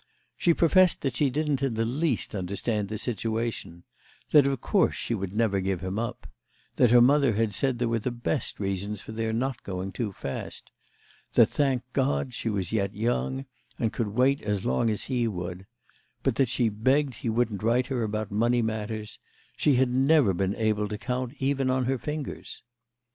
She professed that she didn't in the least understand the situation; that of course she would never give him up; that her mother had said there were the best reasons for their not going too fast; that, thank God, she was yet young and could wait as long as he would; but that she begged he wouldn't write her about money matters: she had never been able to count even on her fingers.